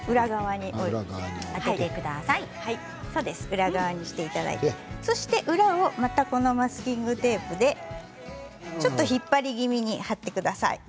裏側にしていただいてそして裏をマスキングテープでちょっと引っ張り気味に貼ってください。